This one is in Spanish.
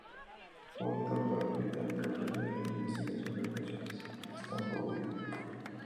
Fue un mentor para el británico, pionero en investigación de operaciones, Stafford Beer.